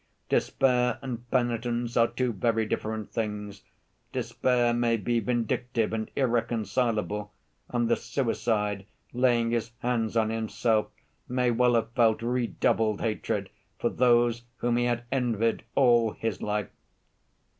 Despair and penitence are two very different things. Despair may be vindictive and irreconcilable, and the suicide, laying his hands on himself, may well have felt redoubled hatred for those whom he had envied all his life.